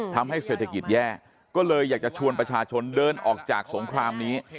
ทำให้เศรษฐกิจแย่ก็เลยอยากจะชวนประชาชนเดินออกจากสงครามนี้